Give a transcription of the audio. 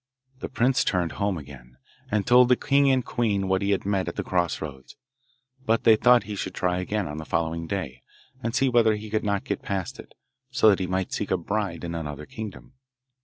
The prince turned home again, and told the king and the queen what he had met at the cross roads; but they thought that he should try again on the following day, and see whether he could not get past it, so that he might seek a bride in another kingdom.